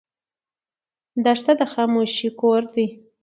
دښته د خاموشۍ کور دی.